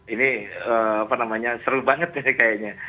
ini seru banget ya